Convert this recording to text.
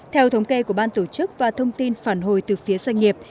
theo thống kê của ban tổ chức và thông tin phản hồi từ phía doanh nghiệp